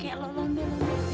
kayak lelan be lelan